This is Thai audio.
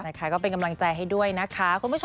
นะคะก็เป็นกำลังใจให้ด้วยนะคะ